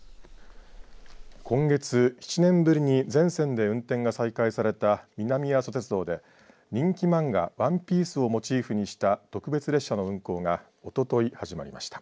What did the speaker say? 今月７年ぶりに全線で運転が再開された南阿蘇鉄道で人気漫画ＯＮＥＰＩＥＣＥをモチーフにした特別列車の運行がおととい始まりました。